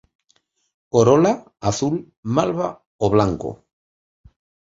Corola; azul, malva o blanco.